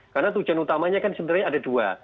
karena tujuan utamanya kan sebenarnya ada dua